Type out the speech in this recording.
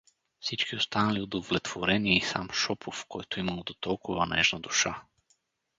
Всички останали удовлетворени и сам Шопов, който имал дотолкова нежна душа.